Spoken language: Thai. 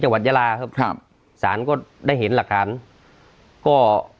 จังหวัดยาลาครับครับสารก็ได้เห็นหลักฐานก็